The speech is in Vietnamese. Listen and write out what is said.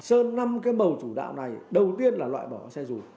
sơn năm cái màu chủ đạo này đầu tiên là loại bỏ xe dù